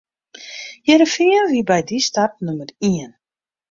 Hearrenfean wie by dy start nûmer ien.